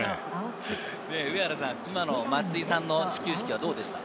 今の松井さんの始球式はどうでした？